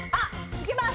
いけます。